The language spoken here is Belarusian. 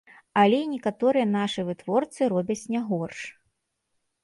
Але і некаторыя нашы вытворцы робяць не горш.